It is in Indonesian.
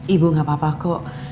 ibu gak apa apa kok